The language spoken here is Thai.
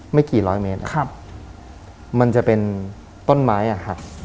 ไม่กี่ร้อยเมตรนะครับมันจะเป็นต้นไม้อ่ะหัก